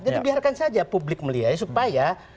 jadi biarkan saja publik melihatnya supaya